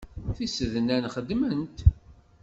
Tisednan xeddment.